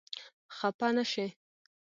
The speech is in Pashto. خپه نه شې؟